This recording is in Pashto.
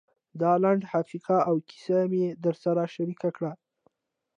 دا لنډ حقایق او کیسې مې در سره شریکې کړې.